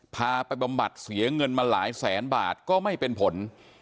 พาไปบำบัดเสียเงินมาหลายแสนบาทก็ไม่เป็นผล